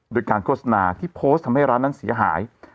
โดยการโฆษณาที่โพสต์ทำให้ร้านนั้นเสียหาย